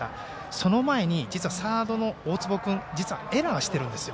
その前に、サードの大坪君実はエラーしてるんですよ。